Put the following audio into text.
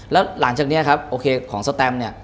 แล้วหลังจากนี้ครับโอเคของสแตมเนี่ย